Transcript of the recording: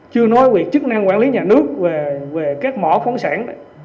chưa nói việc chức năng quản lý nhà nước về các mỏ phóng sản